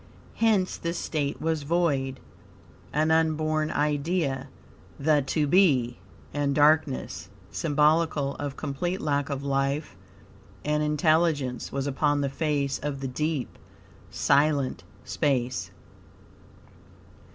Hence this state was void, an unborn idea, the To Be, and darkness, symbolical of complete lack of life and intelligence, "was upon the face of the deep," silent space.